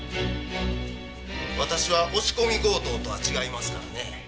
私は押し込み強盗とは違いますからね。